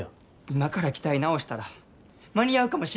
今から機体直したら間に合うかもしれへん。